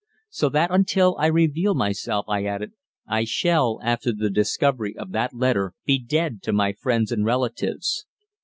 "So that until I reveal myself," I added, "I shall, after the discovery of that letter, be dead to my friends and relatives.